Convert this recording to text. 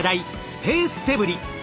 スペースデブリ。